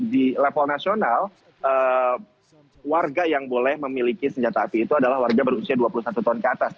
di level nasional warga yang boleh memiliki senjata api itu adalah warga berusia dua puluh satu tahun ke atas